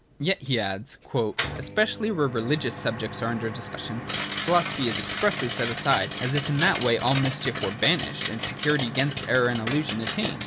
' Yet,' he adds (p. vii), ' especially where reli gious subjects are under discussion, philosophy is expressly set aside, as if in that way all mischief were banished and security against error and illusion at tained